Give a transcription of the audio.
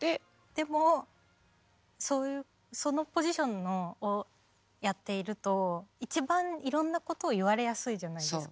でもそういうそのポジションをやっていると一番いろんなことを言われやすいじゃないですか。